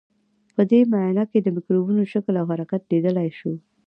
په دې معاینه کې د مکروبونو شکل او حرکت لیدلای شو.